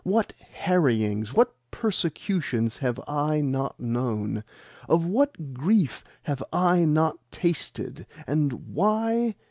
What harryings, what persecutions, have I not known? Of what grief have I not tasted? And why?